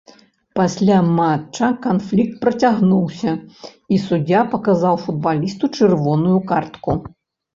Пасля матча канфлікт працягнуўся, і суддзя паказаў футбалісту чырвоную картку.